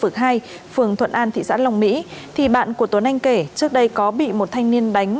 trong khu vực hai phường thuận an tp long mỹ bạn của tuấn anh kể trước đây có bị một thanh niên đánh